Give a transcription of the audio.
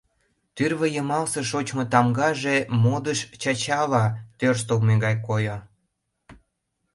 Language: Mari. Тӱрвӧ йымалсе шочмо тамгаже модыш чачала тӧрштылмӧ гай койо.